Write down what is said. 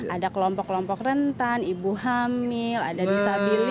ada kelompok kelompok rentan ibu hamil ada bisa beli